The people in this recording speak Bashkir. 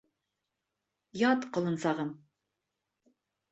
Ят, ҡолонсағым.